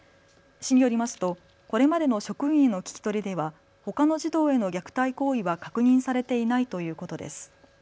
市によりますとこれまでの職員の聞き取りではほかの児童への虐待行為は確認されていないということです。